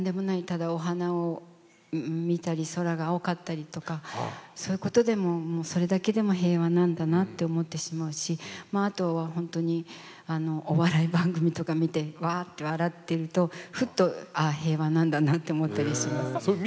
ただお花を見たり空が青かったりとかそういうことでもそれだけでも平和なんだなって思ってしまうしあとはほんとにお笑い番組とか見てワーッて笑ってるとふっとああ平和なんだなって思ったりしますね。